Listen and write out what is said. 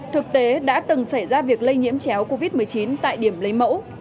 thực tế đã từng xảy ra việc lây nhiễm chéo covid một mươi chín tại điểm lấy mẫu